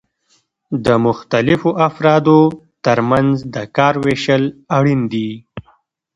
د مختلفو افرادو ترمنځ د کار ویشل اړین دي.